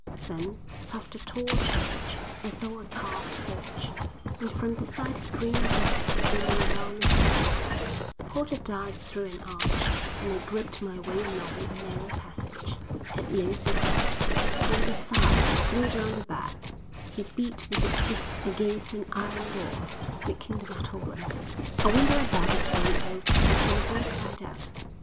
Then past a tall church: I saw a carved porch, and from the side grim devils grinning down upon me; the porter dived through an arch, and I groped my way along a narrow passage. At length he stopped, and with a sigh threw down the bag. He beat with his fists against an iron door, making the metal ring. A window above was thrown open, and a voice cried out.